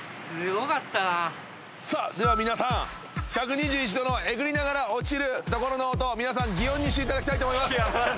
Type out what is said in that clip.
さあでは皆さん１２１度のえぐりながら落ちる所の音擬音にしていただきたいと思います。